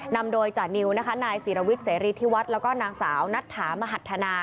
นำโดยจานิวนายศีรวิกเซญริทิวัฒน์แล้วก็หนางสาวนัฐฐาโมมหัธนา